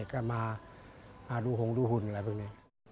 เขามายืนอยู่